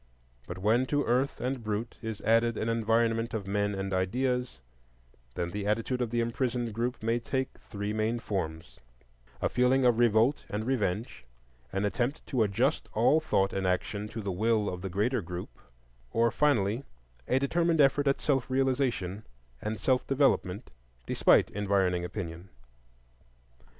But when to earth and brute is added an environment of men and ideas, then the attitude of the imprisoned group may take three main forms,—a feeling of revolt and revenge; an attempt to adjust all thought and action to the will of the greater group; or, finally, a determined effort at self realization and self development despite environing opinion.